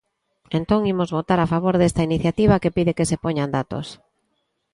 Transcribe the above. Entón, imos votar a favor desta iniciativa que pide que se poñan datos.